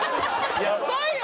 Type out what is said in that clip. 遅いよ！